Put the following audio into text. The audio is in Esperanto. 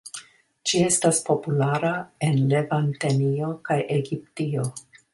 Ĝi estas populara en Levantenio kaj Egiptio.